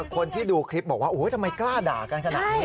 คนที่ดูคลิปบอกว่าทำไมกล้าด่ากันขนาดนี้